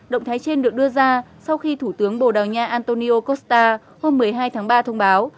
động thái trên được đưa ra sau khi thủ tướng bồ đào nha antonio kosta hôm một mươi hai tháng ba thông báo